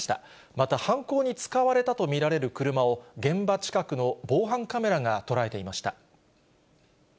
また犯行に使われたと見られる車を、現場近くの防犯カメラが捉えていました。